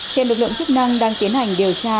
hiện lực lượng chức năng đang tiến hành điều tra